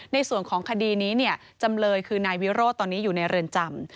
ในส่วนของคดีนี้จำเลยคือนายวิโรธตอนนี้อยู่ในเรือนจำ